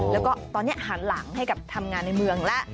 แล้วก็ตอนนี้หันหลังให้กับทำงานในเมืองแล้ว